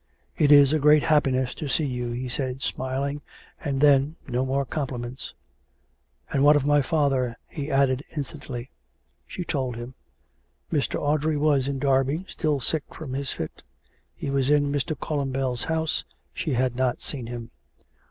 " It is a great happiness to see you," he said, smiling, and then no more compliments. " And what of my father ?" he added instantly. COME RACK! COME ROPE! 44S She told him. Mr. Audrey was in Derby, still sick from his fit. He was in Mr. Columbell's house. She had not seen him.